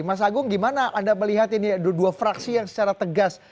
mas agung gimana anda melihat ini ada dua fraksi yang secara tegas